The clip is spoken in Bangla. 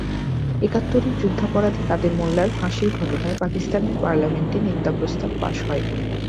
একাত্তরের যুদ্ধাপরাধী কাদের মোল্লার ফাঁসির ঘটনায় পাকিস্তানের পার্লামেন্টে নিন্দা প্রস্তাব পাস হয়।